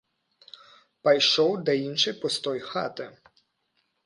Пайшоў да іншай пустой хаты.